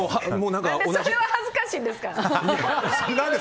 何でこれは恥ずかしいんですか。